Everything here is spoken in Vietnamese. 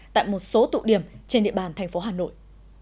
tại một số tụ điểm trên địa bàn thành phố hà nội